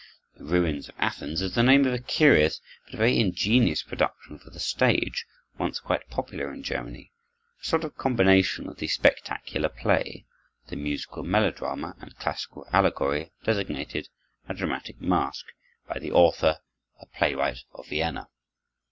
"The Ruins of Athens" is the name of a curious but very ingenious production for the stage, once quite popular in Germany—a sort of combination of the spectacular play, the musical melodrama and classical allegory, designated "A Dramatic Mask" by the author, a playwright of Vienna.